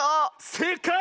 せいかい！